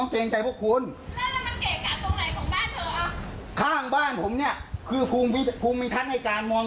ฝั่งข้าทำไมถึงออกไม่ได้ครับ